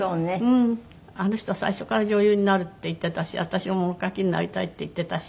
あの人は最初から女優になるって言ってたし私は物書きになりたいって言ってたし。